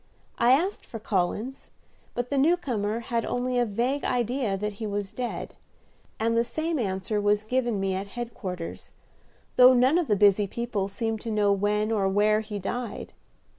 I asked for Collins, but the new comer had only a vague idea that he was dead; and the same answer was given me at headquarters, though none of the busy people seemed to know when or where he died.